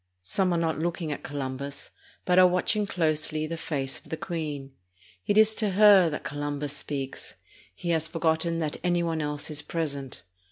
Some are not looking at Columbus, but are watching closely the face of the queen. It is to her that Columbus speaks; he has forgot ten that any one else is present.